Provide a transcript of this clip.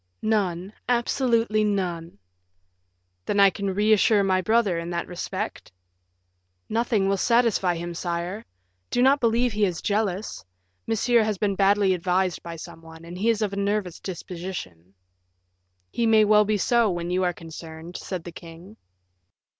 "None absolutely none." "Then I can reassure my brother in that respect?" "Nothing will satisfy him, sire. Do not believe he is jealous. Monsieur has been badly advised by some one, and he is of nervous disposition." "He may well be so when you are concerned," said the king.